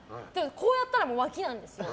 こうやったら、わきなんです。